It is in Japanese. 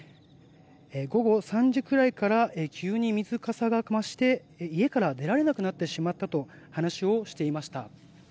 午後３時くらいから急に水かさが増して家から出られなくなってしまったと話をしていました。